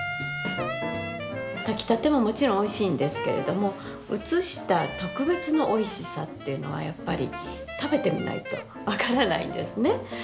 炊きたてももちろんおいしいんですけれども移した特別のおいしさというのはやっぱり食べてみないと分からないんですね。